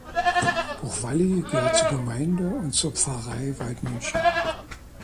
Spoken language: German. Buchwalli gehört zur Gemeinde und zur Pfarrei Waldmünchen.